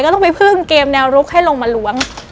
ต้องไปพึ่งเกมแนวลุกให้ลงมาล้วง